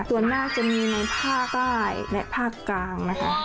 ส่วนมากจะมีในภาคใต้และภาคกลางนะคะ